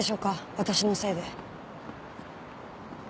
私のせいで。